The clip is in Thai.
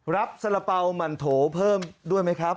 สละเป๋าหมั่นโถเพิ่มด้วยไหมครับ